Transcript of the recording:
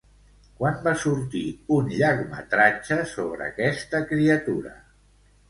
Quan va sortir un llargmetratge sobre aquesta criatura?